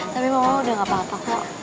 tapi mama udah gak apa apa kok